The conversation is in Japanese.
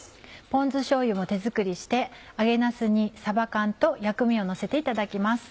ポン酢しょうゆも手作りして揚げなすにさば缶と薬味をのせていただきます。